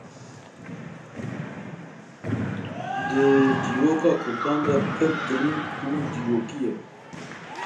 di dîroka Kurdan de pir girîng û dîrokî ye